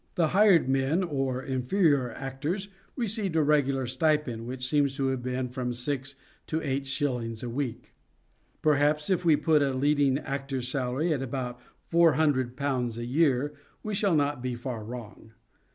The hired men or inferior actors received a regular SHAKESPEAREAN THEATRES 25 stipend, which seems to have been from six to eight shillings a week. Perhaps if we put a leading actor's salary at about ;C4oo a year we shall not be far wrong.